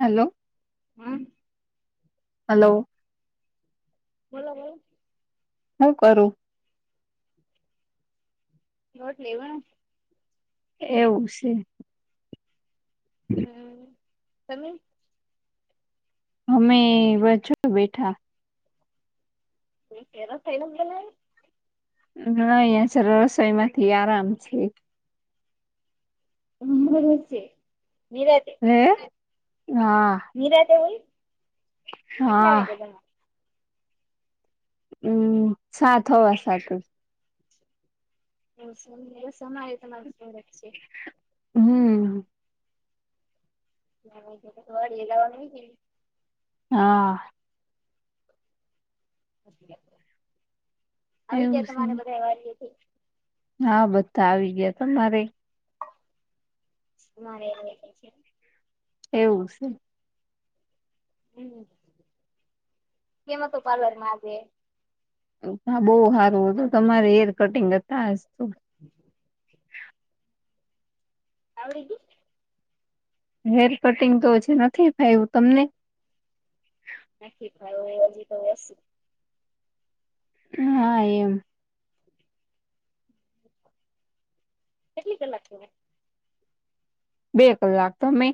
Hello. હમ. Hello. બોલો બેન. હું કરું? રોટલી વળું. એવું છે. હમ. તમે? અમે બસ જો બેઠા. તમે રસોઈ શેનું બનાવ્યું? હા, અયા છે, રસોઈ માંથી આરામ છે. [unintelligible] હે? હા. નિરાતે હોય, કેટલા હા વાગે જમો? અમ સાત, હવા સાતે. એવું છે સમાહિતમા જ સમર્થ છે. હમ. પછી વડીએ જાવાનું હોય કે નહિ. હા. આવી એવું ગયા છે તમારે બધા વાડીએથી? હા બધા આવી ગયા. તમારે? મારે હોય પણ છે. એવું છે. હમ, કેમ હતું પાર્લર માં આજે? તા બહુ હારું હતું. તમારે હેર કટિંગ હતા આજ તો. [inaudible] આવડી ગી. હેર કટિંગ તો હજી નથી ફાવ્યું તમને. નથી ફાવ્યું, હજી તો વર્ષો હા એમ. કેટલી કલાક નું હોય? બે કલાક. તમે?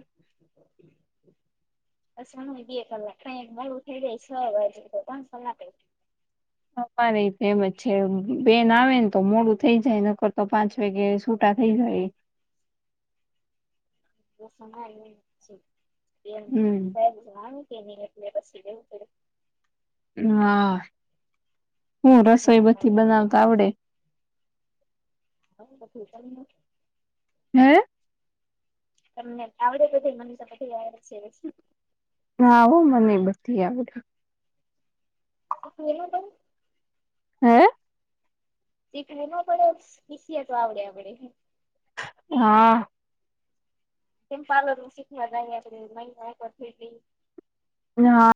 પછી અમેય બે કલાક ક્યાંક મોડું થઈ જાય છ વાગે તો પાંચ કલાકેય. અમારેય તે એમજ છે બેન આવે ને તો મોડું થઈ જાય નકરતો પાંછુ વાગે સૂટા થઇ જાયયે. [unintelligible] સાહેબ હમ જણાવ્યું કે એટલે પછી લેવું પડે. હા હું રસોઈ બધી બનાવતા આવડે? [unintelligible] હે તમને આવડે બધું મને તો બધું આવડે છે. હા હો મને બધી આવડે. [unintelligible] હે? શીખવી ના પડે શીખીએ. તો આવડે આવડે હા. કેમ પાર્લરનું શીખવા જાય મહિના એક વાર [unintelligible] હા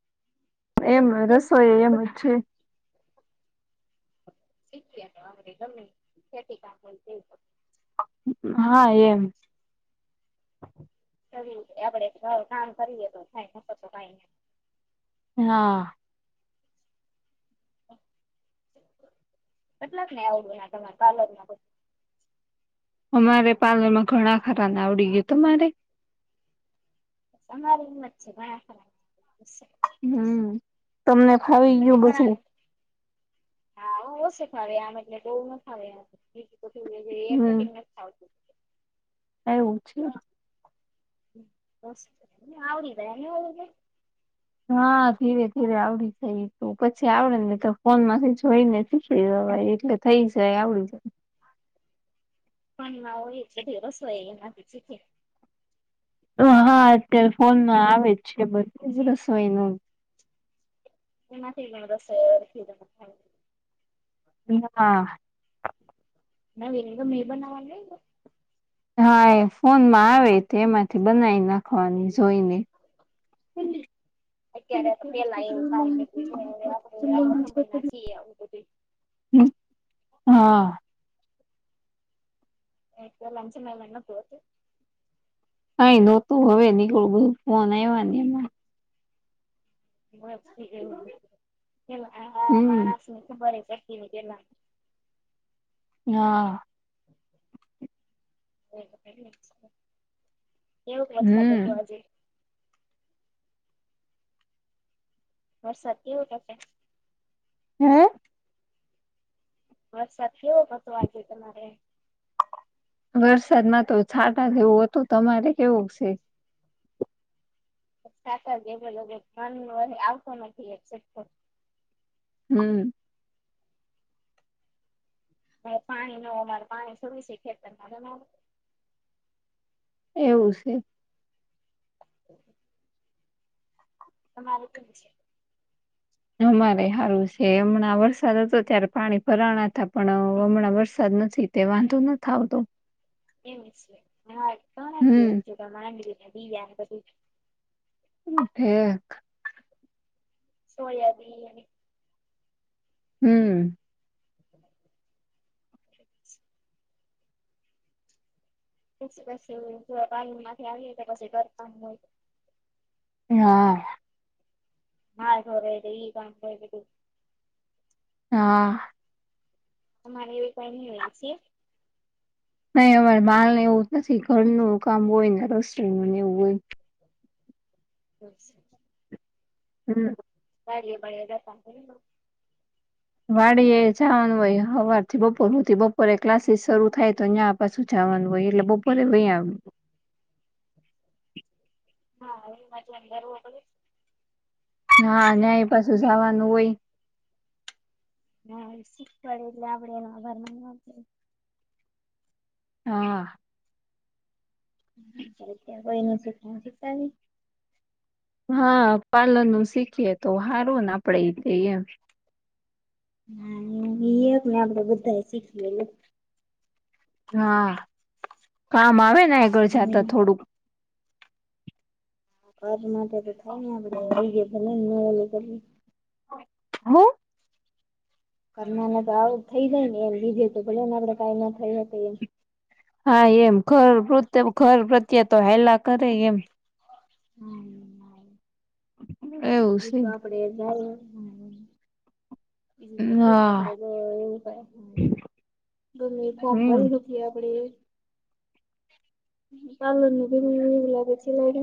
એમ રસોઈ એમ જ છે. શીખ્યા તો આવડે ગમે એ ખેતી કામ હોય. હા એમ. આપડે કામ કરીએ તો થાય નકર તો કઈ નઈ હા. કેટલાક ને આવડે આ તમારા પાર્લર માં? અમારે પાર્લર માં ઘણા ખરાને આવડી ગ્યું તમારે? અમારા રે એમ જ છે ઘણા ખરાને હમ. તમને ફાવી હજી ગયું ઘણા ને બધું ઓછું હા હો ઓછું ફાવે આમ અટલે બહ ના ફાવે બીજું કેઈ નઈ હેર હમ કટિંગ નથી ફાવતું. એવું છે. બસ. એ આવડી જાય, નો આવડી, જાય? હા ધીરે ધીરે આવડી જાય એતો પછી આવડે ને તો ફોન માંથી જોઈને શીખી લેવા એટલે થઈ જાય આવડી જાય. ફોન માં હોય જ બધી રસોઈ એમાં થી શીખી ને. તો હા અત્યારે ફોનમાં આવે જ છે બધી રસોઈનું. એમાંથી જ રસોઈ. [unintelligible] [unintelligible] નવીન ગમે એ બનાવવાનું હોય ને. હા એ ફોન માં આવે છે તો એમાંથી બનાવી નાખવાની જોઈને. [inaudible] [inaudible] હ હા. એક તો લંચ મેલ [unintelligible] કાઈ નહોતું હવે નીકળું બધું ફોન આયવા ને એમાં. [unintelligible] આવા હમ માણસ ને ખબરે પડતી નહિ પહેલા. હા. [inaudible] કેવોક વરસાદ હતો હમ આજે? વરસાદ કેવો થશે? હે? વરસાદ કેવો હતો આજે તમારે? વરસાદમાં તો છાટા જેવું હતું તમારે કેવુંક છે? છાટા [unintelligible] આવતો નથી એસેપ્ટ કર. હમ્મ. હ પાણી નો અમારે પાણી થોડું છે ખેતરમાં હો ના આવે. એવું છે. એ મારે પણ છે. ને અમારે સારું છે હમણાં વરસાદ હતો ત્યારે પાણી ભરાણા હતા પણ હમણાં વરસાદ નથી. તે વાંધો નથ આવતો. એમ છે ને આના હમ બી ગયા ને પછી હમ્મ ફેક. સોયાબી અને હમ્મ. [inaudible] પછી પછી જોરા પાણીમાંથી આવીએ તો પછી ઘર કામ હોય. હા. હા થો રેડીલી પણ જે સે. હા. તમારે એવી પાણી એલ સી એ. નહી અમારે માલને એવું નથી ઘરનું કામ હોય ને રસોઈનુંને એવું હોય. તો છે. હમ્મ. બારે ભાઈ ને રહેતા હોઈ ને. વાડીએ જવાનું ભાઈ સવાર થી બપોરથી બપોરે ક્લાસીસ શરૂ થાય તો ન્યાં પાછું જવાનું હોય એટલે બપોરે વહી આવું. હા એમ બાજુ અંદારું આવે. હા ન્યા એ પાછું જવાનું હોય હા એ શીખવાડે એટલે આવડે ઘર માં ને આપડે. હા. તઈ નો શીખનું શીખતા નહીં. હા પાલન નું શીખીએ તો હારુ ને આપડે એ કહીએ. હા એ એજ ને આપડે બધા શીખીએ એને હા કામ આવેને આગળ જતા થોડુંક. કાર માટે તો થાય ને આપડે રહી જાએ તો નહીં એ કરે. હા. કરના તો આવું થઈ જાય ને એમ લીધે તો ભલે ને આપડે કઈ ના થઈ એમ. હા એમ ખર પ્રત્ય ખર પ્રત્યે તો હેલા કરે એમ. હમ્મ. એવું એ છે તો આપડે બોલ હા. બું તો છે હા આપડે એવું ગમે ફોમ હમ ભરી જે આપડે કાલનુંવ [unintelligible] આપડે સન્ડે.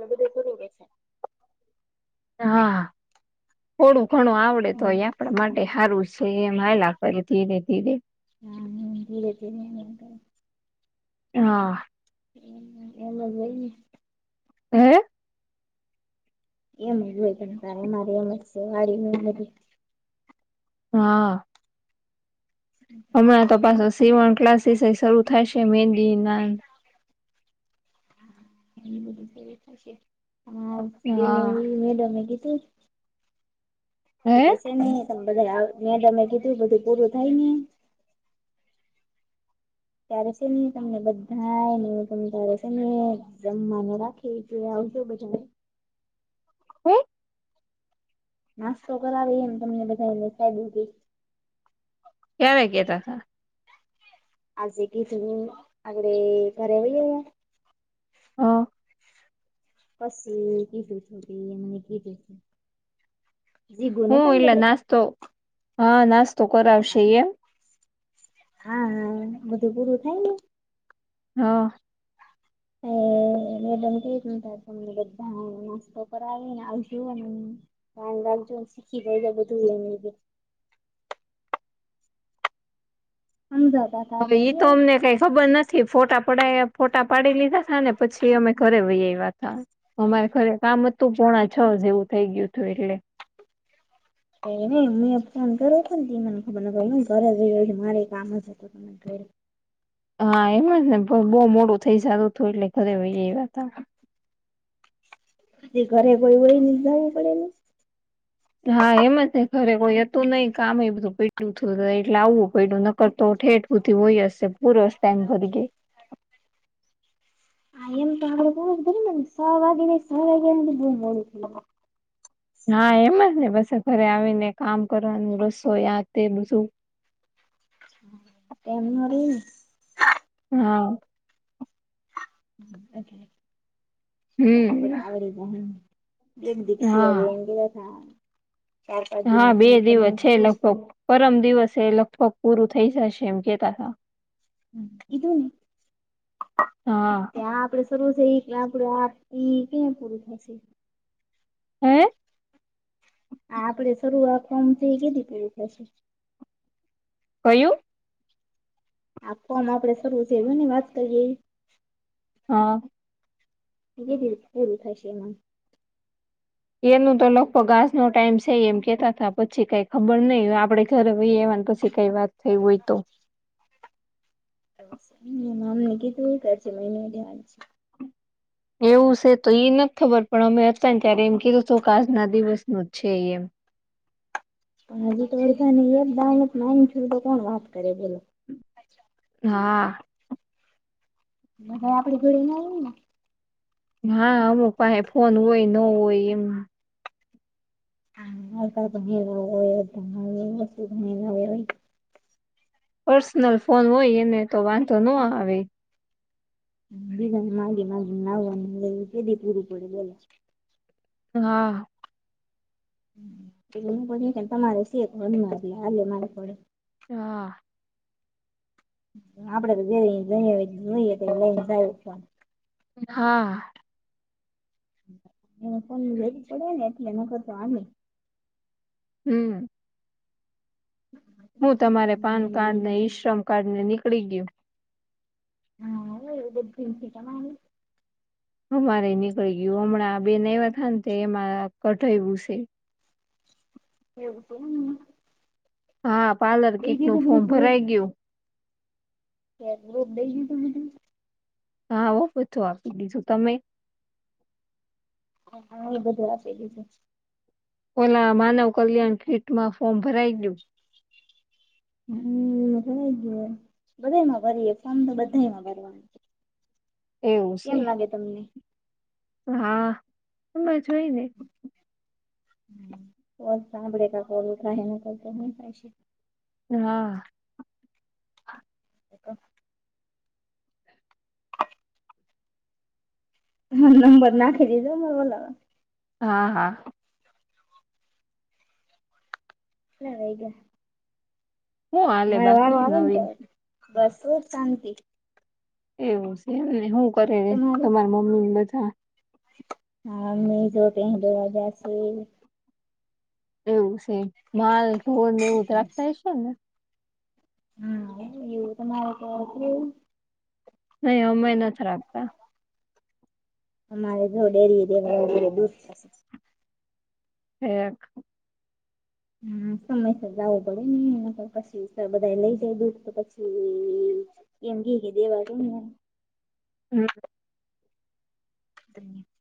[unintelligible] રોગે છે. હા, થોડું ઘણું આવડે તોય આપણા માટે સારું સે, એમ હાલ્યા કરે ધીરે ધીરે. [unintelligible] હા હ એમ જ હોય ને હે! ! એમ જ હોય પણ ત મારે એમ જ છે વારી [unintelligible] હા [inaudible] હમણાં તો પાછો સીવણ ક્લાસીસ એ શરૂ થાય છે, મેંદીના ન [unintelligible] હા ઈ હા મેડમે કીધું. એ હે કે છે નહી તમે બધા મે તમે કીધું બધું પૂરું થાય ને ત્યારે છે નને તમને બધા ને તમ ત્યારે છે ને [unintelligible] દમનો રાખી એ આવ બછ હુ નાસ્તો કરાવે એમ તમને બધાએ ખાધું કે? ક્યારે કેતાતા? આજે કીધું તું, આજે ઘરે આવી ગયા? હ પછી કીધું તું એમ કીધું હ હું તું, એટલે [inaudible] નાસ્તો હા, નાસ્તો કરાવશે એમ. હા હા બધું પુરું થાય ને. હ [inaudible] એને બનતું હતું ને બધાને નાસ્તો કરાવી [unintelligible] કામ બામ પણ શીખી ગયેલા બધું એને લીધે. અંદર. હવે ઇતો અમને કઈ ખબર નથ થી ફોટા પડા ફોટા પાડી લીધા થા ને પછી અમે ઘરે વહી આવ્યા તા. અમારે ખરે કામ હતું, પોણા છ જેવું થઈ ગયું તું એટલે. [unintelligible] હા એટલા ને, ભગો મોડું થઈ જાય એટલે ઘરે વહી આવ્યા હતા. [unintelligible] હા, એમ જ ને ખરે કોઈ હતું નહી, કામમે બધું પેડું થ, એટલે આવું પેડું નકરતો ઠેઠ ઉથી હોય હશે, પૂરો જ ટાઈમ ભર ગય [unintelligible] હા એમ જ ને, બસે ઘરે આવીને કામ કરવાનું, રસોઈ આ તે બધું [unintelligible] હા હમ્મ [unintelligible] હા. [unintelligible] દિ હા માં બે પૂરું કરી દિવસ છે નાખવું લગભગ, પરમ દિવસ એ લગભગ પૂરું થઇ જશે એમ કેતાતા. કીધું [unintelligible] હા ત્યાં આપડે [inaudible] [unintelligible] હે આ આપડે શરૂઆત ફોર્મથી કીધી પે કયું આપવામાં આપણે શરૂ ની વાત કરી હા. [unintelligible] થશે હા. એનું તો લગભગ આજ નો ટાઈમ છે એમ કેતા હતા પછી કઈ ખબર નહિ આપડે ઘરે વહી એવાનું તો ઈ કઈ વાત થઈ હોય તો [unintelligible] એવું છે તો એ નથી ખબર પણ અમે હતા ને ત્યારે એમ કીધું હતું કે આજના દિવસનું જ છે એમ પણ હજી [unintelligible] હા. હવે આપડી જોડે ના હોય ને હા અમુક પાહે ફોન હોય નો હોય એવું હાલકા ભણેલા હોય ભલા હોય પર્સનલ ફોન હોય એને તો વાંધો નો આવે બીજા માગી માગી ન આવે એવુ કેદી પૂરું પડે બોલો હા. એ તમારે શેર હાલે મારે પડે હા. આપડે જેઇ તો જોઈએ એજ [unintelligible] હા. એ ફોન લેવી પડે ને એટલે ન કરતો હાલે હમ્મ. સૂ તમારે પાન કાર્ડ ને ઈશ્રમ કાર્ડ ને નીકળી ગયું હા એ બધુ નિકળી ગયું તમારે અમારે નીકળી ગયું હમણાં બેન આવી તાને તો એમાં કઢાવ્યુ સે એવું કોને મન હા પાર્લર કીટ નું ફોર્મ બધું ભરાઈ ગયું હા ગ્રુપ દઈ દીધું ન તું હા હો બધું આપી દીધુ તમે? હ હા એ બધું આપી દીધું છે. ઓલા માનવ કલ્યાણ કીટમાં ફોર્મ ભરાઈ ગયું. હમ્મ ભરાય ગયું બધામાં ભરીયએ ફોમ તો બધામાં ભરવાનું એવું કેમ છે લાગે તમને હા એમ જ હોયને ઓ સાંભળે તા કોલ થાહે નકર તો શુ થાયે હા. હ હા નંબર નાખી દીધો ન ઓલો હા હા. કેટલા વાગ્યા હું હાલે મારો વારો બાકી આવેને તો નવીન બસ ખૂબ શાંતિ એવું સે એમને શું કરે તમારું તમારા મમ્મી ને બધા હા મે જો ધ્યાન અવાજ આવશે. એવું સે માલ ઢોર ને એવું રાખતા હશો ને હમ્મ. એવું તો મારે ત્યાં નથી રેવું? આયા અમેય નથ રાખતા અમારે જો ડેરીએ દેવા [unintelligible] દૂધ છાશ એક હમ્મ. સમયસર જાવું પડે નહીં તો પછી બધાંય લઇ જાય દૂધ તો પછી એમ કે કે દેવા [unintelligible] હમ્મ [unintelligible]